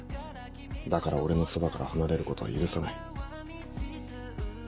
だから俺のそばから離れることは許さない。